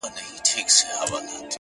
سر خپل ماتوم که د مکتب دروازه ماته کړم,